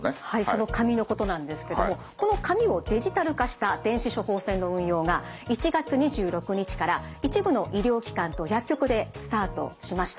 その紙のことなんですけどもこの紙をデジタル化した電子処方箋の運用が１月２６日から一部の医療機関と薬局でスタートしました。